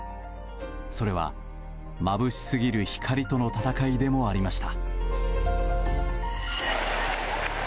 それは、まぶしすぎる光との戦いでもありました。